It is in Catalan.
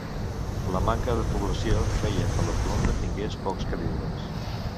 La manca de població feia que la columna tingués pocs queviures.